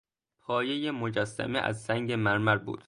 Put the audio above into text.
پایهی مجسمه از سنگ مرمر بود.